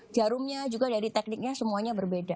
jarumnya juga dari tekniknya semuanya berbeda